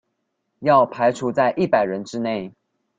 要排除在一百人之内